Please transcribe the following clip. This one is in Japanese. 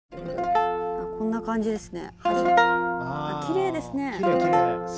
こんな感じですね。